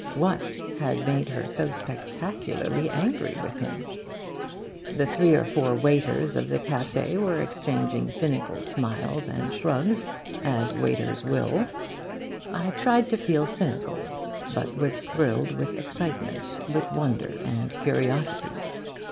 What had made her so spectacularly angry with him? The three or four waiters of the cafe' were exchanging cynical smiles and shrugs, as waiters will. I tried to feel cynical, but was thrilled with excitement, with wonder and curiosity.